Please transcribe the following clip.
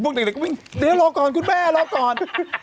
พวกเด็กก็วิ่งเดี๋ยวรอก่อน